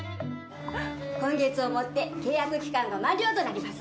今月をもって契約期間が満了となります。